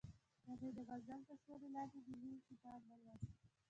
هغې د غزل تر سیوري لاندې د مینې کتاب ولوست.